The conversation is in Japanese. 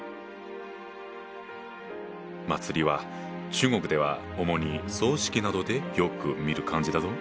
「祭」は中国では主に葬式などでよく見る漢字だぞ。